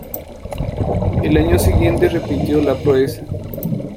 Al año siguiente repitió la proeza.